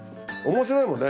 面白いもんね。